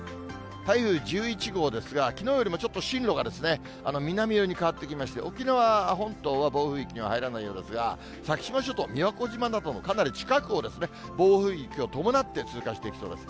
台風１１号ですが、きのうよりも、ちょっと進路がですね、南寄りに変わってきまして、沖縄本島は暴風域には入らないようですが、先島諸島、宮古島などのかなり近くをですね、暴風域を伴って通過していきそうです。